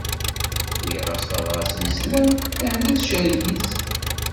Uriɣ-as tabrat n sslam, tɛedda tcerreg-itt.